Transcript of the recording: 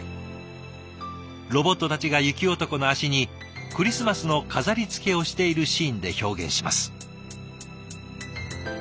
ロボットたちが雪男の足にクリスマスの飾りつけをしているシーンで表現します。